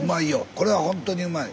これはほんとにうまい。